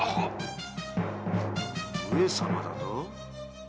上様だと？